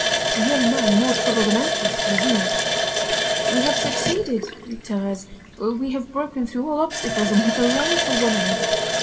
The young man, more troubled and anxious, resumed: "We have succeeded, Thérèse; we have broken through all obstacles, and we belong to one another.